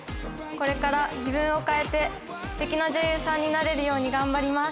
これから自分を変えてステキな女優さんになれるように頑張ります